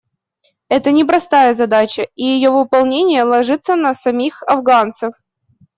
Это непростая задача, и ее выполнение ложится на самих афганцев.